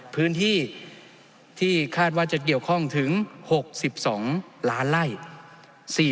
พื้นที่ที่คาดว่าจะเกี่ยวข้องถึง๖๒ล้านไล่